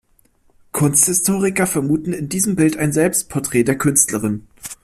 Kunsthistoriker vermuten in diesem Bild ein Selbstporträt der Künstlerin.